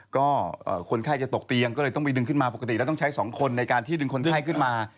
ก็คนไข้จะตกเตียงก็เลยต้องไปดึงขึ้นมาปกติแล้วต้องใช้สองคนในการที่ดึงคนไข้ขึ้นมา